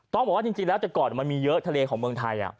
ต้องบอกว่าจากก่อนมันมีเยอะทะเลของเมืองไทย